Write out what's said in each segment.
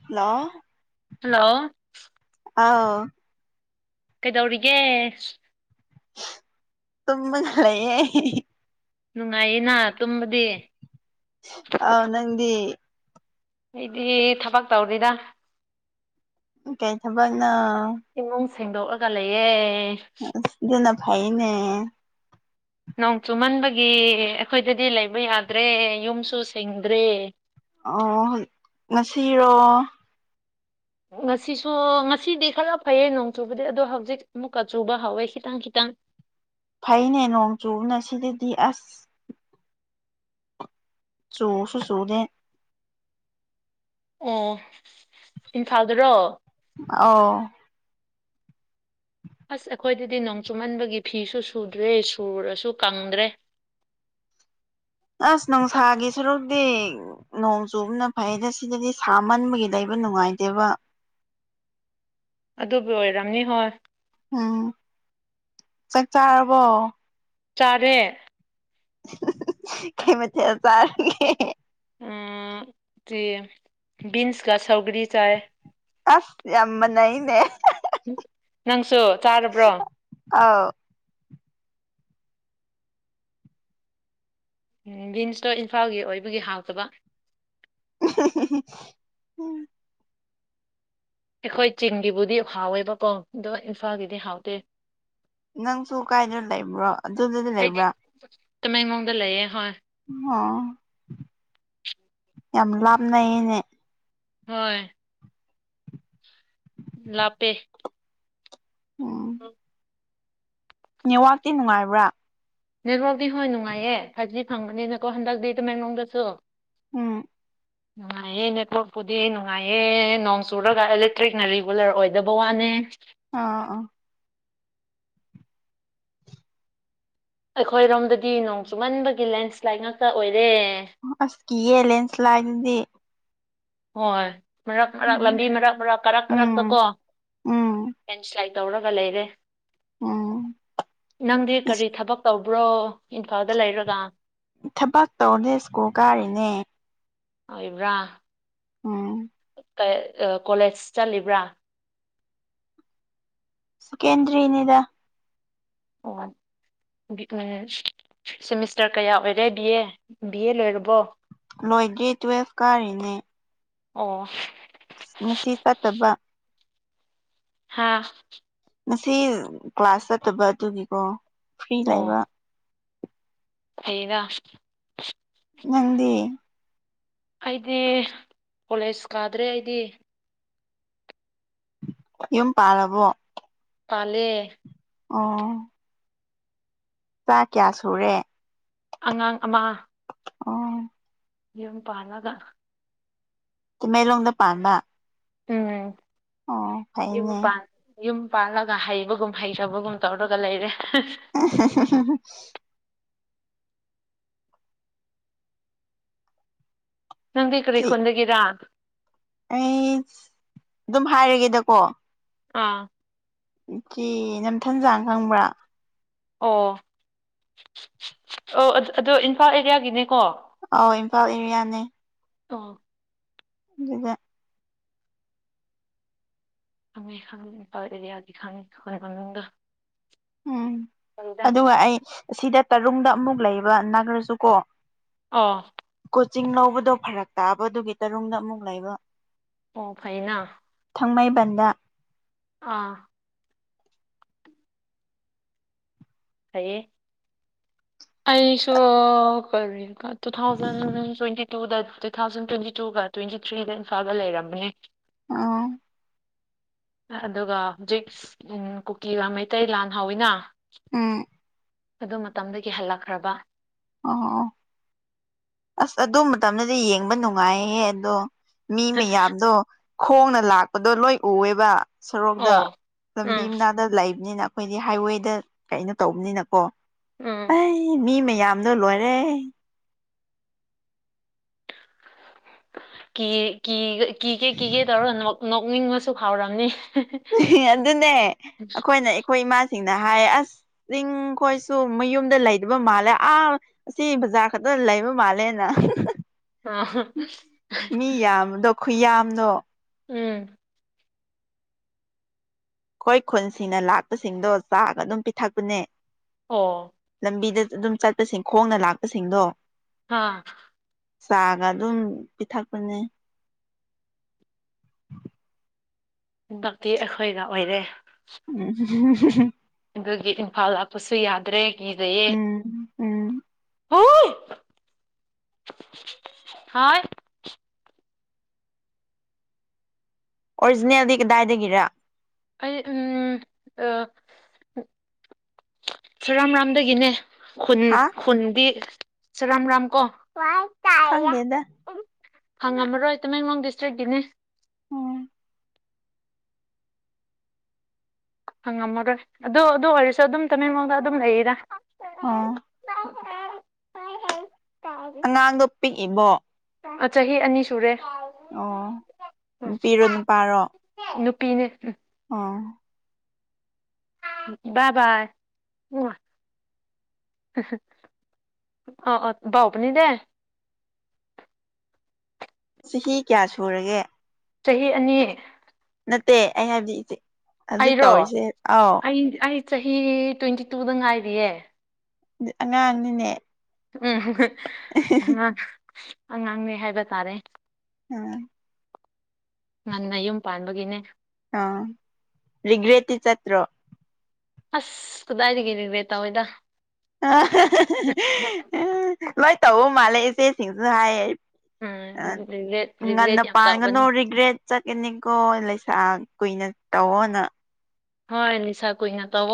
hello hello ꯑꯥꯎ ꯀꯩꯗꯧꯔꯤꯒꯦ ꯇꯃ ꯈꯔꯦ ꯅꯨꯡꯉꯥꯏꯌꯦꯅ ꯇꯨꯝꯕꯗꯤ ꯑ ꯅꯪꯗꯤ ꯑꯩꯗꯤ ꯊꯕꯛ ꯇꯧꯔꯤꯗ ꯀꯩ ꯊꯕꯛꯅ ꯏꯃꯨꯡ ꯁꯦꯡꯗꯣꯛꯂꯒ ꯂꯩꯌꯦꯦ ꯑꯗꯨꯗꯅ ꯐꯥꯏꯅꯦ ꯅꯣꯡ ꯆꯨꯃꯟꯕꯒꯤ ꯑꯩꯈꯣꯏꯗꯗꯤ ꯂꯩꯕ ꯌꯥꯗ꯭ꯔꯦ ꯌꯨꯝꯁꯨ ꯁꯦꯡꯗ꯭ꯔꯦ ꯑꯣ ꯉꯁꯤꯔꯣ ꯉꯁꯤꯁꯨ ꯉꯁꯤꯗꯤ ꯈꯔ ꯐꯩꯌꯦ ꯅꯣꯡ ꯆꯨꯕꯗꯤ ꯑꯗꯣ ꯍꯧꯖꯤꯛ ꯑꯃꯨꯛꯀ ꯆꯨꯕ ꯍꯧꯥꯎꯋꯦ ꯈꯤꯇꯪ ꯈꯤꯇꯪ ꯐꯩꯅꯦ ꯅꯣꯡ ꯆꯨꯕꯅ ꯁꯤꯗꯗꯤ ꯑꯁ ꯁꯨꯐ ꯁꯨꯗꯦ ꯑꯣ ꯏꯝꯐꯥꯜꯗꯔꯣ ꯑꯣ ꯎ ꯑꯁ ꯑꯩꯈꯣꯏꯗꯗꯤ ꯅꯣꯡ ꯆꯨꯃꯟꯕꯒꯤ ꯐꯤꯁꯨ ꯁꯨꯗ꯭ꯔꯦ ꯁꯨꯔꯁꯨ ꯀꯪꯗ꯭ꯔꯦ ꯑꯁ ꯅꯨꯡꯁꯥꯒꯤ ꯁꯔꯨꯗꯤ ꯅꯣꯡ ꯆꯨꯕꯅ ꯐꯩ ꯑꯗ ꯁꯤꯗꯗꯤ ꯁꯥꯃꯟꯕꯒꯤ ꯂꯩꯕ ꯅꯨꯡꯉꯥꯏꯇꯦꯕ ꯑꯗꯨꯕꯨ ꯑꯣꯏꯔꯝꯅꯤ ꯍꯣꯏ ꯎꯝ ꯆꯥꯛ ꯆꯥꯔꯕꯣ ꯆꯔꯦ ꯀꯩ ꯃꯆ ꯇꯔꯒ ꯇ ꯕꯤꯟꯁ ꯀ ꯁꯧꯒꯔꯤ ꯆꯥꯌꯦ ꯑꯁ ꯌꯥꯝꯃꯅ ꯏꯅꯦ ꯎꯝ ꯅꯪꯁꯨ ꯆꯥꯔꯕ꯭ꯔꯣ ꯑꯥꯎ ꯎꯝ ꯕꯤꯟꯁꯇꯣ ꯏꯝꯐꯥꯜꯒꯤ ꯑꯣꯏꯕꯒꯤ ꯍꯞꯇꯕ [unintelligible] ꯑꯩꯈꯣꯏ ꯆꯤꯡꯒꯤꯕꯨꯗꯤ ꯍꯥꯎꯋꯦꯕꯀꯣ ꯑꯗꯨꯒꯣ ꯏꯝꯐꯥꯜꯒꯤꯗꯤ ꯍꯥꯎꯇꯦ ꯅꯪꯁꯨ ꯀꯥꯏꯗꯅ ꯂꯩꯕ꯭ꯔꯣ ꯑꯗꯨꯗꯨꯗꯤ ꯂꯩꯕ꯭ꯔꯥ ꯇꯃꯦꯉꯣꯡꯗ ꯂꯩꯑꯌꯦ ꯍꯣꯏ ꯑꯣ ꯌꯥꯝ ꯂꯥꯞꯅꯩꯌꯦꯅꯦ ꯍꯣꯏ ꯂꯞꯄꯦ ꯑ ꯎꯝ ꯅꯦꯠꯋꯥꯛꯇꯤ ꯅꯨꯡꯉꯥꯏꯕ꯭ꯔꯥ ꯅꯦꯠꯋꯥꯛꯇꯤ ꯍꯣꯏ ꯅꯨꯡꯉꯥꯏꯌꯦ ꯐꯥꯏꯚꯖꯤ ꯐꯪꯕꯅꯤꯅꯀꯣ ꯍꯟꯗꯛꯇꯤ ꯇꯃꯦꯡꯂꯣꯡꯗꯁꯨ ꯎꯝ ꯅꯨꯡꯉꯥꯏꯌꯦ ꯅꯦꯠꯋꯔꯥꯛꯄꯨꯗꯤ ꯅꯨꯡꯉꯥꯏꯌꯦ ꯅꯣꯡ ꯆꯨꯔꯒ ꯏꯂꯦꯛꯇ꯭ꯔꯤꯛꯅ ꯔꯤꯒꯨꯂꯔ ꯑꯣꯏꯗꯕ ꯋꯥꯅꯦ ꯑꯥ ꯑ ꯑꯩꯈꯣꯏꯔꯣꯝꯗꯗꯤ ꯅꯣꯡ ꯆꯨꯃꯟꯕꯒꯤ ꯂꯦꯟꯁ꯭ꯂꯥꯏꯠ ꯉꯥꯛꯇ ꯑꯣꯏꯔꯦ ꯑꯁ ꯀꯑꯦ ꯂꯦꯟꯁ ꯂꯥꯛꯗꯤ ꯍꯣꯏ ꯃꯔꯛ ꯃꯔꯛ ꯂꯝꯕꯤ ꯎꯝ ꯃꯔꯛ ꯃꯔꯛ ꯀꯔꯛ ꯀꯔꯛꯇ ꯎꯝ ꯀꯣ ꯎꯝ ꯁ꯭ꯂꯥꯏ ꯇꯧꯔꯒ ꯂꯩꯔꯦ ꯎꯝ ꯅꯪꯗꯤ ꯀꯔꯤ ꯊꯕꯛ ꯇꯧꯕ ꯭ꯔꯣ ꯏꯝꯐꯥꯜꯗ ꯂꯩꯔꯒ ꯊꯕꯛ ꯇꯧꯅꯦ ꯁ꯭ꯀꯨꯜ ꯒꯥꯔꯤꯅꯦ ꯑꯣꯏꯕ꯭ꯔꯥ ꯎꯝ ꯀꯣꯂꯦꯖ ꯆꯠꯂꯤꯕ꯭ꯔꯥ ꯁꯀꯦꯟꯗꯔꯤꯅꯤꯗ ꯍ ꯁꯦꯃꯤꯁꯇꯔ ꯀꯌꯥ ꯑꯣꯏꯔꯦ ꯕꯤ ꯑꯦ ꯕꯤ ꯑꯦ ꯂꯣꯏꯔꯕꯣ ꯂꯣꯏꯗꯦ ꯇꯨꯋꯦꯜꯐ ꯀꯥꯔꯔꯤꯅꯦ ꯑꯣ ꯃꯁꯤꯁꯤ ꯆꯠꯇꯕ ꯍꯥꯥ ꯉꯁꯤ ꯀ꯭ꯂꯥꯁ ꯆꯠꯇꯕ ꯑꯗꯨꯒꯤꯀꯣ ꯐ꯭ꯔꯤ ꯂꯩꯕ ꯀꯗ ꯅꯪꯗꯤ ꯑꯩꯗꯤ ꯀꯣꯂꯦꯖ ꯀꯥꯗ꯭ꯔꯦ ꯑꯩꯗꯤ ꯌꯨꯝ ꯄꯥꯔꯕꯣ ꯄꯂꯦ ꯑꯣ ꯆꯥ ꯀꯌꯥ ꯁꯨꯔꯦ ꯑꯉꯥꯡ ꯑꯃ ꯑꯣ ꯌꯨꯝ ꯄꯥꯜꯂꯒ ꯃꯦꯂꯣꯡꯗ ꯄꯥꯟꯕ ꯑꯣ ꯏꯃ ꯐꯩꯅꯦ ꯄꯥꯟ ꯌꯨꯝ ꯄꯥꯜꯂꯒ ꯍꯩꯕꯒꯨꯝ ꯍꯩꯊꯕꯒꯨꯝ ꯇꯧꯔꯒ ꯂꯩꯔꯦ [unintelligible] ꯅꯪꯗꯤ ꯆꯤ ꯀꯔꯤꯈꯣꯣꯟꯗꯒꯤꯔꯥ ꯑꯩ ꯑꯗꯨꯝ ꯍꯥꯏꯔꯒꯦꯗꯀꯣ ꯑꯥ ꯆꯦ ꯅꯝꯊꯟꯖꯥꯡ ꯈꯪꯕ꯭ꯔꯥ ꯑꯣ ꯑꯣ ꯑꯗꯣ ꯏꯝꯐꯥꯜ ꯑꯦꯔꯤꯌꯥꯒꯤꯅꯦꯀꯣ ꯑꯧ ꯏꯝꯐꯥꯜ ꯑꯦꯔꯤꯌꯥꯅꯦ ꯑ ꯑꯗꯨꯗ ꯐ ꯈꯪ ꯄꯥꯎꯔꯔ ꯌꯥꯗꯤ ꯈꯥꯉꯗ ꯎꯝ ꯑꯗꯨꯒ ꯑꯩ ꯁꯤꯗ ꯇꯔꯨꯡꯗ ꯑꯃꯨꯛ ꯂꯩꯕ ꯅꯥꯈ꯭ꯔꯁꯨꯀꯣ ꯑꯥ ꯀꯣꯆꯤꯡ ꯂꯧꯕꯗꯣ ꯐꯔꯛ ꯇꯥꯕ ꯑꯗꯨꯒꯤ ꯇꯔꯨꯡꯗ ꯑꯃꯨꯛ ꯂꯩꯕ ꯑꯣ ꯐꯩꯅ ꯊꯥꯡꯃꯩꯕꯟꯗ ꯑꯥ ꯍꯥꯏꯌꯦ ꯑꯁꯨ ꯀꯔꯤ ꯇꯨ ꯊꯥꯎꯖꯟ ꯇ꯭ꯋꯦꯟꯇꯤ ꯇ ꯇꯨ ꯊꯥꯎꯟ ꯇ꯭ꯋꯦꯟꯇꯤ ꯇꯨꯒ ꯇ꯭ꯋꯦꯟꯇꯤ ꯊ꯭ꯔꯤꯗ ꯏꯝꯐꯥꯜꯒ ꯂꯩꯔꯝꯅꯦ ꯑ ꯑꯗꯨꯒ ꯍꯧꯖꯤꯛ ꯀꯨꯀꯤ ꯃꯩꯇꯩ ꯂꯥꯟ ꯍꯧꯥꯎꯋꯤꯅ ꯎꯝ ꯑꯗꯨ ꯃꯇꯝꯗꯒꯤ ꯍꯜꯂꯛꯈ꯭ꯔꯕ ꯑꯣ ꯑꯁ ꯑꯗꯨ ꯃꯇꯝꯗꯗꯤ ꯌꯦꯡꯕ ꯅꯨꯡꯉꯥꯏꯍꯦ ꯑꯗꯣ ꯃꯤ ꯃꯌꯥꯝꯗꯣ ꯈꯣꯡꯅ ꯂꯥꯛꯄꯗꯣ ꯂꯣꯏ ꯎꯑꯦꯕ ꯁꯣꯔꯣꯛꯇ ꯑꯣ ꯂꯝꯕꯤ ꯎꯝ ꯃꯅꯥꯗ ꯂꯩꯕꯅꯤꯅ ꯑꯩꯈꯣꯏꯗꯤ ꯍꯥꯏꯋꯦꯗ ꯀꯩꯅꯣ ꯇꯧꯕꯅꯤꯅꯀꯣ ꯎꯝ ꯑꯩ ꯃꯤ ꯃꯌꯥꯝꯗꯣ ꯂꯣꯏꯔꯦ ꯀꯤꯒꯦ ꯀꯤꯒꯦ ꯇꯧꯔꯣ ꯅꯣꯛꯅꯤꯡꯉꯁꯨ ꯈꯥꯎꯔꯝꯅꯤ ꯑꯗꯨꯅꯦ ꯑꯩꯈꯣꯏꯅ ꯑꯩꯈꯣꯏ ꯏꯃꯥꯁꯤꯡꯅ ꯍꯥꯏꯌꯦ ꯑꯁ ꯆꯤꯡ ꯈꯣꯏꯁꯨ ꯃꯌꯨꯝꯗ ꯂꯩꯗꯕ ꯃꯥꯜꯂꯦ ꯑꯥ ꯑꯁꯤ ꯕꯖꯥꯔ ꯈꯛꯇ ꯂꯩꯕ ꯃꯥꯜꯂꯦꯅ ꯑ ꯃꯤ ꯌꯥꯝꯗꯣ ꯈꯨꯌꯥꯝꯗꯣ ꯎꯝ ꯑꯩꯈꯣꯏ ꯈꯨꯟꯁꯤꯡꯅ ꯂꯥꯛꯄꯁꯤꯡꯗꯣ ꯆꯥꯒ ꯑꯗꯨꯝ ꯄꯤꯊꯛꯄꯅꯦ ꯑꯣ ꯂꯝꯕꯤꯗ ꯑꯗꯨꯝ ꯆꯠꯄꯁꯤꯡ ꯈꯣꯡꯅ ꯂꯥꯛꯄꯁꯤꯡꯗꯣ ꯍꯥꯥ ꯆꯥꯒ ꯑꯗꯨꯝ ꯄꯤꯊꯛꯄꯅꯦ ꯈꯨꯟꯗꯛꯇꯤ ꯑꯩꯈꯣꯏꯒ ꯑꯣꯏꯔꯦ ꯎꯝ ꯑꯗꯨꯒꯤ ꯏꯝꯐꯥꯜ ꯂꯥꯛꯄꯁꯨ ꯌꯥꯗ꯭ꯔꯦ ꯏꯗꯦ ꯎꯝ ꯎꯝ ꯍ ꯍ ꯑꯣꯔꯤꯖꯤꯅꯦꯜꯗꯤ ꯀꯗꯥꯏꯗꯒꯤꯔ ꯑꯩ ꯁꯨꯔꯥꯝ ꯔꯥꯝꯗꯒꯤꯅꯦ ꯈꯨꯟ ꯍꯥ ꯈꯨꯟꯗꯤ ꯔꯝ ꯔꯥꯝ ꯀꯣ ꯈꯪꯗꯗ ꯐꯪꯉꯝꯃꯔꯣꯏ ꯇꯃꯦꯡꯂꯣꯡ ꯗꯤꯁꯇ꯭ꯔꯤꯛꯀꯤꯅꯦ ꯎꯝ ꯍꯪꯉꯝꯃꯔꯣꯏ ꯑꯗꯨ ꯑꯗꯨ ꯑꯣꯏꯔꯁꯨ ꯑꯗꯨꯝ ꯇꯃꯦꯡꯂꯣꯡꯗ ꯑꯗꯨꯝ ꯂꯩꯔꯤꯔꯥ ꯎ ꯑꯉꯥꯡꯗꯣ ꯄꯤꯛꯏꯕꯣ ꯆꯍꯤ ꯑꯅꯤ ꯁꯨꯔꯦ ꯑꯣ ꯅꯨꯄꯤꯔꯣ ꯅꯨꯄꯥꯔꯣ ꯅꯨꯄꯤꯅꯦ ꯎ ꯑꯣꯥ ꯕꯥ ꯕꯥꯏ ꯎ ꯑꯣ ꯑ‌ꯣ ꯕꯥꯎꯄꯅꯤ ꯗꯦ ꯆꯍꯤ ꯀꯌꯥ ꯁꯨꯔꯒꯦ ꯆꯍꯤ ꯑꯅꯤ ꯅꯠꯇꯦ ꯑꯩꯅ ꯍꯥꯏꯕꯗꯤ ꯏꯆ ꯍꯧꯖꯤꯛ ꯑꯩꯔꯣ ꯇꯧꯔꯤꯁꯦ ꯑꯥꯎ [unintelligible] ꯆꯍꯤ ꯇ꯭ꯋꯦꯟꯇꯤ ꯇꯨꯗ ꯉꯥꯏꯔꯤꯌꯦ ꯑꯉꯥꯡꯅꯤꯅꯦ ꯎꯝ ꯑꯉꯥꯡ ꯑꯉꯥꯡꯅꯦ ꯍꯥꯏꯕ ꯇꯥꯔꯦ ꯎꯝ ꯉꯟꯅ ꯌꯨꯝ ꯄꯥꯟꯕꯒꯤꯅꯦ ꯑ‌ꯣ ꯔꯤꯒ꯭꯭ꯔꯦꯠꯇꯤ ꯆꯠꯇ꯭ꯔꯣ ꯑꯁ ꯀꯗꯥꯏꯗꯗꯒꯤ ꯔꯤꯒ꯭ꯔ‌ꯦꯠ ꯇꯧꯏꯗ ꯂꯣꯏ ꯇꯧꯕ ꯃꯥꯜꯂꯦ ꯏꯆꯦꯁꯤꯡꯁꯨ ꯍꯥꯏꯌꯦ ꯑ ꯎꯝ ꯔꯤꯒ꯭ꯔꯦꯠ ꯔꯤꯒ꯭ꯔꯦꯠ ꯉꯟꯅ ꯌꯥꯝ ꯄꯥꯡꯒꯅꯣ ꯇꯧꯕꯅꯤ ꯔꯤꯒ꯭ꯔꯦꯠ ꯆꯠꯀꯅꯤꯀꯣ ꯂꯩꯁꯥ ꯀꯨꯏꯅ ꯇꯧꯑꯣꯅ ꯍꯣꯏ ꯂꯩꯁꯥ ꯀꯨꯏꯅ ꯇꯧ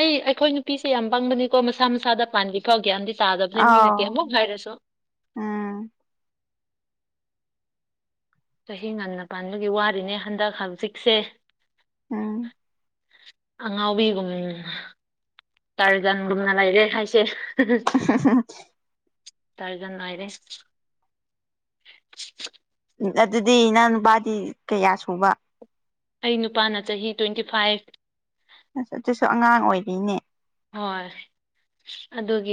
ꯑꯩꯈꯣꯏ ꯅꯨꯄꯤꯁꯦ ꯌꯥꯝ ꯄꯪꯕꯅꯤꯀꯣ ꯃꯁꯥ ꯃꯁꯥꯗ ꯄꯥꯟꯕꯤ ꯐꯧ ꯒꯌꯥꯟꯗꯤ ꯇꯥꯗꯕꯅꯦ ꯃꯤꯅ ꯀ꯭ꯌꯤꯃꯨꯛ ꯍꯥꯏꯔꯁꯨ ꯑꯝ ꯆꯍꯤ ꯉꯟꯅ ꯄꯥꯟꯕꯒꯤ ꯋꯥꯗꯤꯅꯦ ꯍꯟꯗꯛ ꯍꯝꯖꯤꯛꯁꯦ ꯎꯝ ꯑꯉꯥꯎꯕꯤꯒꯨꯝ ꯇꯤꯔꯖꯟꯒꯨꯝꯅ ꯂꯩꯔꯦ ꯍꯥꯏꯁꯦ [unintelligible] ꯇꯥꯔꯖꯥꯟ ꯑ‌ꯣꯏꯔꯦ ꯎ ꯑꯗꯨꯗꯤ ꯏꯅꯥꯎ ꯅꯨꯄꯥꯗꯤ ꯀꯌꯥ ꯁꯨꯕ ꯑꯩ ꯅꯨꯄꯥꯅ ꯆꯍꯤ ꯇ꯭ꯋꯦꯟꯇꯤ ꯐꯥꯏꯚ ꯑꯁ ꯑꯗꯨꯁꯨ ꯑꯉꯥꯡ ꯑꯣꯏꯔꯤꯅꯦ ꯍꯣꯏ ꯑꯗꯨꯒꯤ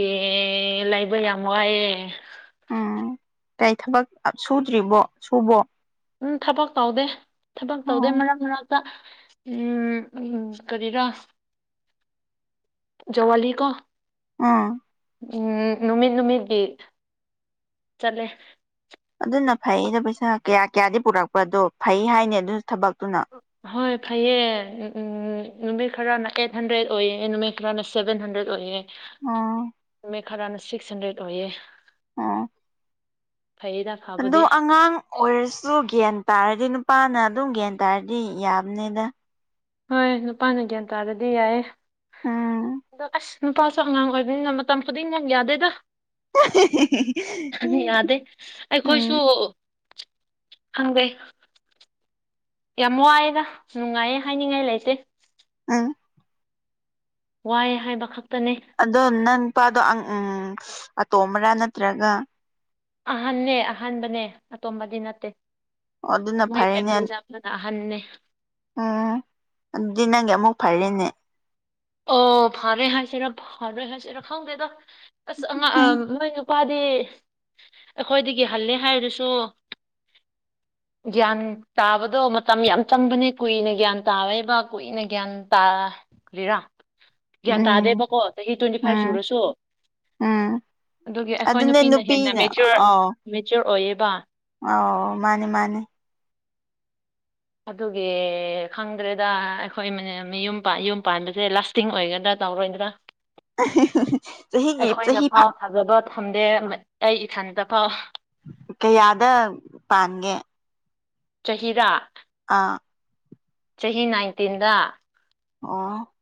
ꯂꯩꯕ ꯌꯥꯝ ꯋꯥꯏꯑꯦ ꯎꯝ ꯀꯧ ꯊꯕꯛ ꯁꯨꯗ꯭ꯔꯤꯕꯣ ꯁꯨꯕꯣ ꯎꯝ ꯊꯕꯛ ꯇꯧꯗꯦ ꯊꯕꯛ ꯇꯧꯗꯦ ꯎꯝ ꯃꯔꯛ ꯃꯔꯛ ꯇ ꯎꯝ ꯎꯝ ꯀ꯭ꯔꯤꯔ ꯖꯋꯥꯂꯤ ꯀꯣ ꯑꯥ ꯎꯝ ꯅꯨꯃꯤꯠ ꯅꯨꯃꯤꯠꯀꯤ ꯆꯠꯂꯦ ꯑꯗꯨꯅ ꯐꯩꯗ ꯄꯩꯁꯥ ꯀꯌꯥ ꯀꯌꯥꯗꯤ ꯄꯨꯔꯛꯄꯗꯣ ꯐꯩ ꯍꯥꯏꯅ‌ꯦ ꯑꯗꯨ ꯊꯕꯛꯇꯨꯅ ꯍꯣꯏ ꯐꯩꯌꯦ ꯎꯝ ꯅꯨꯃꯤꯠ ꯈꯔꯅ ꯑꯩꯠ ꯍꯟꯗ꯭ꯔꯦꯠ ꯑꯣꯏꯌꯦ ꯅꯨꯃꯤꯠ ꯈꯔꯥꯅ ꯁꯕꯦꯟ ꯍꯟꯗ꯭ꯔꯦꯠ ꯑꯣꯏꯌꯦ ꯑ‌ꯣ ꯅꯨꯃꯤꯠ ꯈꯔꯅ ꯁꯤꯛꯁ ꯍꯟꯗ꯭ꯔꯦꯗ ꯑꯣꯏꯌꯦ ꯑꯥ ꯐꯩꯗ ꯑꯗꯣ ꯑꯉꯥꯡ ꯑꯣꯏꯔꯁꯨ ꯒ꯭ꯌꯥꯟ ꯇꯥꯔꯗꯤ ꯅꯨꯄꯥꯅ ꯑꯗꯨꯝ ꯒ꯭ꯌꯥꯟ ꯇꯥꯔꯗꯤ ꯌꯥꯕꯅꯤꯗ ꯍꯣꯏ ꯅꯨꯄꯥꯅ ꯒ꯭ꯌꯥꯟ ꯇꯥꯔꯗꯤ ꯌꯥꯏ ꯎꯝ ꯑꯗꯣ ꯑꯁ ꯅꯨꯄꯥꯁꯨ ꯑꯉꯥꯡ ꯑꯣꯏꯕꯅꯤꯅ ꯃꯇꯝ ꯈꯨꯗꯤꯡꯃꯛ ꯌꯥꯗꯦꯗ ꯌꯥꯗꯦ ꯑꯩꯈꯣꯏꯁꯨ ꯎꯝ ꯈꯪꯗ‌ꯦ ꯌꯥꯝ ꯋꯥꯑꯦꯗ ꯅꯨꯡꯉꯥꯏꯌꯦ ꯍꯥꯏꯅꯤꯡꯉꯥꯏ ꯂꯩꯇꯦ ꯎꯝ ꯋꯥꯏ ꯍꯥꯏꯕ ꯈꯛꯇꯅ‌ꯦ ꯑꯗꯣ ꯅꯪ ꯅꯨꯄꯥꯗꯣ ꯎꯝ ꯑꯇꯣꯝꯕꯔꯥ ꯅꯠꯇ꯭ꯔꯒ ꯑꯍꯟꯅꯅꯦ ꯑꯍꯥꯟꯕꯅꯦ ꯑꯇꯣꯝꯕꯗꯤ ꯅꯠꯇꯦ ꯑꯣ ꯑꯗꯨꯅ ꯃꯣꯏ ꯐꯦꯃꯤꯂꯤ ꯑ ꯍꯟꯅꯦ ꯎꯝꯗꯤ ꯅꯪ ꯑꯃꯨꯛ ꯐꯔꯦꯅꯦ ꯑꯣ ꯐꯔꯦ ꯍꯥꯏꯁꯤꯔꯥ ꯐꯔꯣꯏ ꯍꯥꯏꯁꯤꯔꯥ ꯈꯪꯗꯦꯗ ꯑꯁ ꯑ ꯎꯝ ꯃꯣꯏ ꯅꯨꯄꯥ ꯑꯩꯈꯣꯏꯗꯒꯤ ꯍꯜꯂꯦ ꯍꯥꯏꯔꯁꯨ ꯒ꯭ꯌꯥꯟ ꯇꯥꯕꯗꯣ ꯃꯇꯝ ꯌꯥꯝ ꯆꯪꯕꯅꯦ ꯀꯨꯏꯅ ꯒ꯭ꯌꯥꯟ ꯇꯥꯔꯦꯕ ꯀꯨꯏꯅ ꯒ꯭ꯌꯥꯟ ꯇꯥ ꯀꯦꯔꯥ ꯒ꯭ꯌꯥꯟ ꯎꯝ ꯇꯥꯗꯦꯕꯀꯣ ꯆꯍꯤ ꯇ꯭ꯋꯦꯟꯇꯤ ꯐꯥꯏꯚ ꯎꯝ ꯁꯨꯔꯁꯨ ꯎꯝ ꯑꯗꯨꯒꯤ ꯑꯩꯈꯣꯏ ꯅꯨꯄꯤꯅ ꯍꯦꯟꯅ ꯃꯦꯆꯣꯔ ꯃꯦꯆꯣꯔ ꯑꯣꯏꯌꯦꯕ ꯑ ꯃꯥꯅꯦ ꯃꯥꯅꯦ ꯑꯗꯨꯒꯤ ꯈꯪꯗ꯭ꯔꯦꯗ ꯑꯩꯈꯣꯏ ꯏ ꯃ ꯌꯨꯝ ꯌꯨꯝ ꯄꯥꯟꯕꯁꯦ ꯂꯥꯁ ꯇꯤꯡ ꯑꯣꯏꯒꯗ꯭ꯔꯥ ꯇꯧꯔꯣꯏꯗ꯭ꯔꯥ ꯆꯍꯤꯒꯤ ꯆꯍꯤ ꯊꯖꯕ ꯊꯝꯗꯦ ꯑꯩ ꯏꯁꯊꯟꯇ ꯐꯥꯎ ꯀꯌꯥꯗ ꯄꯥꯟꯒꯦ ꯆꯍꯤꯗ ꯑꯥ ꯆꯍꯤ ꯅꯥꯏꯟꯇꯤꯟꯗ ꯑꯣ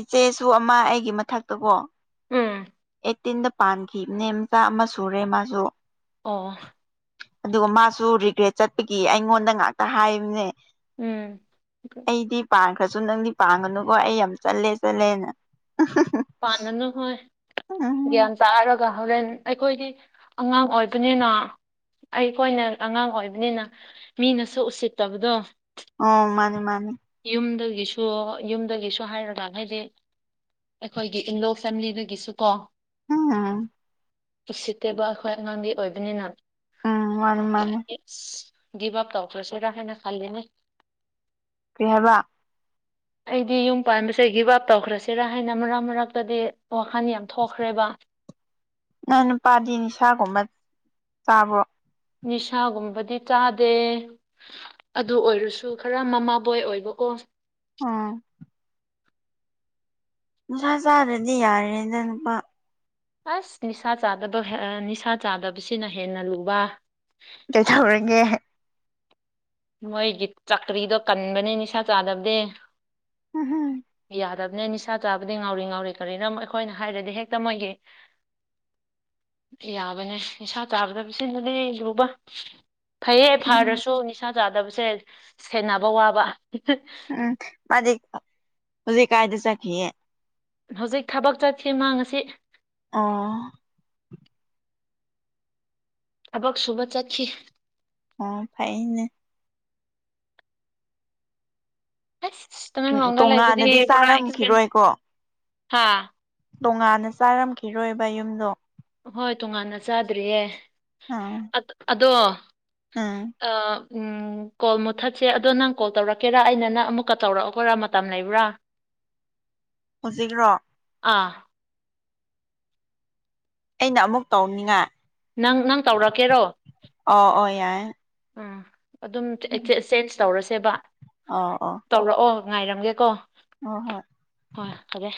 ꯏꯆꯦꯁꯨ ꯑꯃ ꯑꯩꯒꯤ ꯃꯊꯛꯇ ꯀꯣ ꯎꯝ ꯑꯩꯠꯇꯤꯟꯗ ꯄꯥꯟꯈꯤꯕꯅꯦ ꯃꯆꯥ ꯑꯃ ꯁꯨꯔꯦ ꯃꯥꯁꯨ ꯑꯣ ꯑꯗꯨꯒ ꯃꯥꯁꯨ ꯔꯤꯒ꯭ꯔꯦꯠ ꯆꯠꯄꯒꯤ ꯑꯩꯉꯣꯟꯗ ꯉꯥꯛꯇ ꯍꯥꯏꯕꯅꯦ ꯎꯝ ꯑꯩꯗꯤ ꯄꯥꯈ꯭ꯔꯁꯨ ꯅꯪꯗꯤ ꯄꯥꯟꯉꯅꯨꯀꯣ ꯑꯩ ꯌꯥꯝ ꯆꯜꯂꯦ ꯆꯠꯂꯦꯅ ꯄꯥꯥꯟꯉꯅꯨ ꯍꯣꯏ ꯒ꯭ꯌꯥꯟ ꯇꯥꯔꯛ ꯑꯗꯨꯒ ꯍꯣꯔꯦꯟ ꯑꯩꯈꯣꯏꯒꯤ ꯑꯉꯥꯡ ꯑꯣꯏꯕꯅꯤꯅ ꯑꯩ ꯈꫭꯏꯅ ꯑꯉꯥꯡ ꯑꯣꯏꯕꯅꯤꯅ ꯃꯤꯅꯁꯨ ꯎꯁꯤꯠꯇꯕꯗꯣ ꯑꯣ ꯃꯥꯅꯦ ꯃꯥꯅꯦ ꯌꯨꯝꯗꯒꯤꯁꯨ ꯌꯨꯝꯗꯒꯤꯁꯨ ꯍꯥꯏꯔꯗꯥ ꯍꯥꯏꯗꯤ ꯑꯩꯈꯣꯏꯒꯤ ꯏꯟꯂꯣ ꯐꯦꯃꯤꯂꯤꯗꯒꯤꯁꯨ ꯀꯣ ꯎꯝ ꯎꯁꯤꯠꯇꯦꯕ ꯑꯩꯈꯣꯏ ꯑꯉꯥꯡꯒꯤ ꯑꯣꯏꯕꯅꯤꯅ ꯎꯝ ꯃꯥꯅꯤ ꯃꯥꯅꯤ ꯑꯁ ꯒꯤꯞ ꯑꯞ ꯇꯧꯈ꯭ꯔꯁꯤꯔꯥ ꯍꯥꯏꯅ ꯈꯜꯂꯤꯅꯦ ꯀꯩ ꯍꯥꯏꯕ ꯑꯩꯗꯤ ꯌꯨꯝ ꯄꯥꯟꯕꯁꯦ ꯒꯤꯞ ꯑꯞ ꯇꯧꯈ꯭ꯔꯁꯤꯔꯥ ꯍꯥꯏꯅ ꯃꯔꯛ ꯃꯔꯛꯇꯗꯤ ꯋꯥꯈꯜ ꯌꯥꯝ ꯊꯣꯛꯈ꯭ꯔꯦꯕ ꯅꯪ ꯅꯨꯄꯥꯗꯤ ꯅꯤꯁꯥꯒꯨꯝꯕ ꯆꯥꯕꯔꫭ ꯅꯤꯁꯥꯒꯨꯝꯕꯗꯤ ꯆꯥꯗꯦ ꯑꯗꯨ ꯑꯣꯏꯔꯁꯨ ꯈꯔ ꯃꯃꯥꯕꯣꯏ ꯑꯣꯏꯕ ꯀꫭ ꯑꫭ ꯅꯤꯁꯥ ꯆꯥꯗ꯭ꯔꯗꯤ ꯌꯥꯔꯦꯗ ꯅꯨꯨꯄꯥ ꯑꯁ ꯅꯤꯁꯥ ꯆꯥꯗꯕ ꯅꯤꯁꯥ ꯆꯥꯗꯕꯁꯤꯅ ꯍꯦꯟꯅ ꯂꯨꯕ ꯀꯩꯗꯧꯔꯒꯦ ꯃꯣꯏꯒꯤ ꯆꯛꯀ꯭ꯔꯤꯗꯣ ꯀꯟꯕꯅꯦ ꯅꯤꯁꯥ ꯆꯥꯗꯕꯗꯤ ꯎꯝ ꯍꯝ ꯌꯥꯗꯕꯅꯦ ꯅꯤꯁꯥ ꯆꯥꯕꯗꯤ ꯉꯥꯎꯔꯤ ꯉꯥꯎꯔꯤ ꯀꯔꯤꯅꯣ ꯑꯩꯈꯣꯏꯅ ꯍꯥꯏꯔꯗꯤ ꯍꯦꯛꯇ ꯃꯣꯏꯒꯤ ꯌꯥꯕꯅꯦ ꯅꯤꯁꯥ ꯆꯥꯗꯕ ꯁꯤꯡꯗꯨꯗꯤ ꯂꯨꯕ ꯐꯩꯌꯦ ꯎꯝ ꯐꯔꯁꯨ ꯅꯤꯁꯥ ꯆꯥꯗꯕꯁꯦ ꯁꯦꯟꯅꯕ ꯋꯥꯕ ꯎꯝ ꯃꯥꯗꯤ ꯍꯧꯖꯤꯛ ꯀꯥꯏꯗ ꯆꯠꯈꯤꯌꯦ ꯍꯧꯖꯤꯛ ꯊꯕꯛ ꯆꯠꯈꯤ ꯃꯥꯉꯁꯤ ꯑꫭ ꯊꯕꯛ ꯁꯨꯕ ꯆꯠꯈꯤ ꯑꯣ ꯐꯩꯅꯦ ꯑꯁ ꯇꯨꯃꯤꯟ ꯎꯝ ꯂꯥꯎꯗ ꯂꯩꯕꯗꯤ ꯇꯣꯉꯥꯟꯅꯗꯤ ꯄꯨꯔꯥ ꯑꯦꯛꯄꯦꯟꯁ ꯆꯥꯔꯝꯈꯤꯔꯣꯏꯀꯣ ꯍꯥ ꯇꯣꯡꯉꯥꯟꯅ ꯆꯥꯔꯝꯈꯤꯔꯣꯏꯕ ꯌꯨꯝꯗꯣ ꯍꯣꯏ ꯇꯣꯉꯥꯟꯅ ꯆꯥꯗ꯭ꯔꯤꯌꯦ ꯑꯗꯣ ꯑꯥ ꯑꯥ ꯎꯝ ꯎꯝ ꯀꯣꯜ ꯃꯨꯠꯊꯠꯁꯦ ꯑꯗꯣ ꯅꯪ ꯀꯣꯜ ꯇꯧꯔꯛꯀꯦꯔꯥ ꯑꯩꯅ ꯅꯪ ꯑꯃꯨꯛꯀ ꯇꯧꯔꯛꯈꯔꫭꯔꯥ ꯃꯇꯝ ꯂꯩꯕ꯭ꯔꯥ [inaudible] ꯍꯧꯖꯤꯛ꯭ꯔꯣ ꯑꯥ ꯑꯩꯅ ꯑꯃꯨꯛ ꯇꯧꯅꯤꯡꯉꯥꯏ ꯅꯪ ꯅꯪ ꯇꯧꯔꯛꯀꯦꯔꯣ ꯑꯣ ꯑꯣ ꯌꯥꯏ ꯑꯥ ꯑꯗꯨꯝ ꯇꯧꯔꯁꯦꯕ ꯑꫭ ꯑꯣꯥ ꯇꯧꯔꯛꯑꯣ ꯉꯥꯏꯔꯝꯒꯦ ꯀꯣ ꯑꯣ ꯍꯣꯏ ꯍꯣꯏ ꯐꯔꯦ